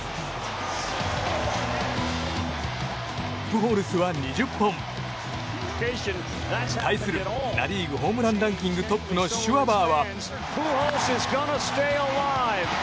プホルスは２０本。対するナ・リーグホームランランキングトップのシュワバーは。